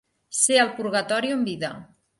Ser el purgatori en vida.